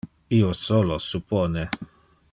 Io solo suppone.